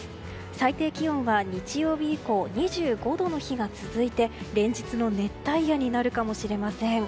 最低気温は日曜日以降２５度の日が続いて連日の熱帯夜になるかもしれません。